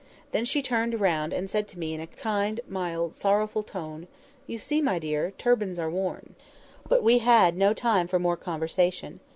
Then she turned round, and said to me, in a kind, mild, sorrowful tone— "You see, my dear, turbans are worn." But we had no time for more conversation.